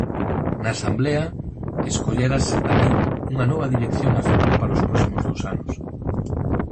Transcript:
Na Asemblea escollerase tamén unha nova Dirección Nacional para os próximos dous anos.